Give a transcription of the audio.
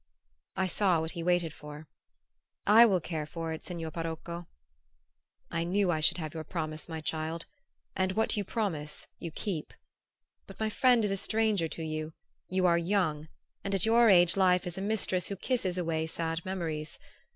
I saw what he waited for. "I will care for it, signor parocco." "I knew I should have your promise, my child; and what you promise you keep. But my friend is a stranger to you you are young and at your age life is a mistress who kisses away sad memories.